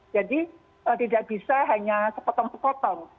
jadi tidak bisa hanya sepotong sepotong